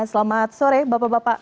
selamat sore bapak bapak